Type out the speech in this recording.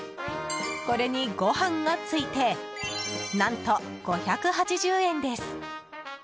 これに、ご飯がついて何と５８０円です。